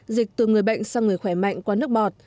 dịch từ người bệnh sang người khỏe mạnh qua nước bọt